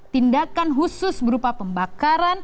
tindakan khusus berupa pembakaran dan atau